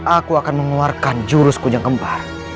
aku akan mengeluarkan jurus kujang kempar